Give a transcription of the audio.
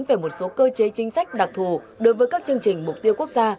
về một số cơ chế chính sách đặc thù đối với các chương trình mục tiêu quốc gia